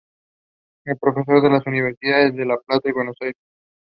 These may be blanked off manifold valves or specially made for the purpose.